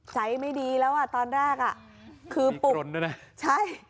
ใจไม่ดีแล้วอ่ะตอนแรกอ่ะคือปลุกปลนด้วยนะใช่